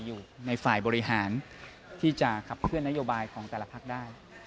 อยู่ในฝ่ายบริหารที่จะขับเคลื่อนนโยบายของแต่ละพักได้